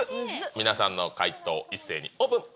皆さんの回答一斉にオープン。